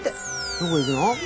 どこ行くの？